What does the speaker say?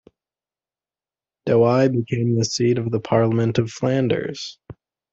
Douai became the seat of the Parliament of Flanders.